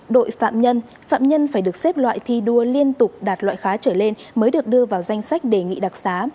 đặc sá liên tục đạt loại khá trở lên mới được đưa vào danh sách đề nghị đặc sá